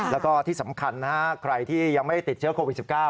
แล้วก็ที่สำคัญนะฮะใครที่ยังไม่ติดเชื้อโควิด๑๙